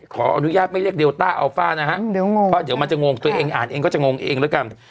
ขออนุญาตไม่เรียกเลต้าอัลฟ่านะฮะเดี๋ยวงงเพราะเดี๋ยวมันจะงงตัวเองอ่านเองก็จะงงเองแล้วกัน